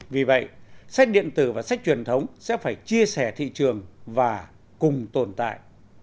vì vậy sách điện tử và sách truyền thống sẽ phải chia sẻ thị trường và cùng tồn tại